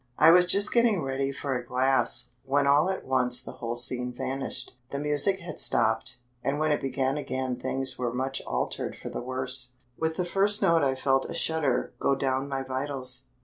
I was just getting ready for a glass, when all at once the whole scene vanished. The music had stopped, and when it began again things were much altered for the worse. With the first note I felt a shudder go down my vitals.